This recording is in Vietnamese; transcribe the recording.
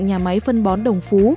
nhà máy phân bón đồng phú